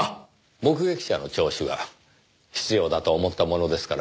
目撃者の聴取は必要だと思ったものですから。